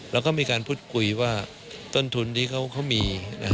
แล้วก็มีการพูดคุยว่าต้นทุนที่เขามี